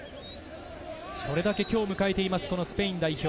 それだけ今日を迎えているスペイン代表